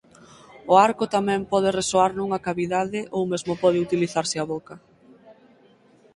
O arco tamén pode resoar nunha cavidade ou mesmo pode utilizarse a boca.